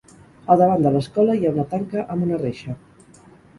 Al davant de l'escola hi ha una tanca amb una reixa.